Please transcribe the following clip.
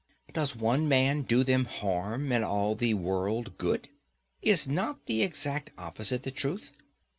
Does one man do them harm and all the world good? Is not the exact opposite the truth?